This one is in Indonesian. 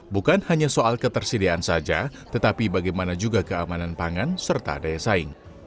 bukan hanya soal ketersediaan saja tetapi bagaimana juga keamanan pangan serta daya saing